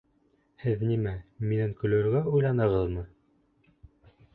— Һеҙ нимә, минән көлөргә уйланығыҙмы?